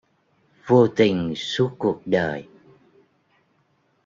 Vô tình suốt cuộc đời